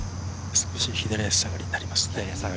少し左足下がりになります。